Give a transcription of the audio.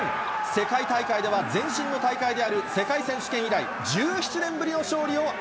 世界大会では前身の大会である世界選手権以来、１７年ぶりの勝利